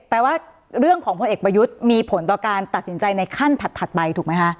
แปลว่าเรื่องของพลเอกประยุทธ์มีผลต่อการตัดสินใจในขั้นถัดไปถูกไหมคะ